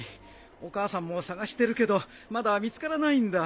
お母さんも捜してるけどまだ見つからないんだ。